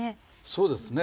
そうですね。